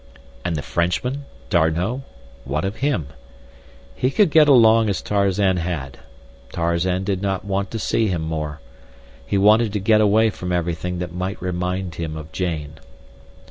And the Frenchman? D'Arnot? What of him? He could get along as Tarzan had. Tarzan did not want to see him more. He wanted to get away from everything that might remind him of Jane.